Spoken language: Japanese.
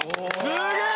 すげえ！